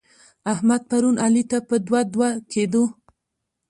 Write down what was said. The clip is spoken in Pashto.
احمد؛ پرون علي ته په دوه دوه کېدو.